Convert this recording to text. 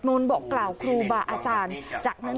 ด้วยด้วยขอบความชมด้วย